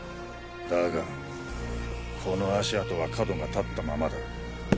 だがこの足跡は角が立ったままだ。